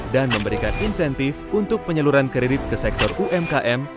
dan memberikan insentif untuk penyeluruhan kredit ke sektor umkm